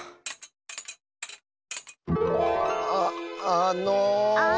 ああのう。